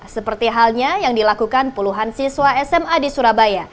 seperti halnya yang dilakukan puluhan siswa sma di surabaya